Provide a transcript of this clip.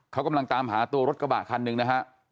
เขากำลังตามหาตัวรถกระบะคันหนึ่งนะฮะ